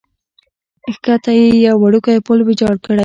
کښته یې یو وړوکی پل ویجاړ کړی.